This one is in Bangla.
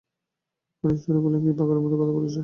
কঠিন স্বরে বললেন, কী পাগলের মতো কথা বলছ।